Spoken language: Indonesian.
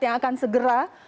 yang akan segera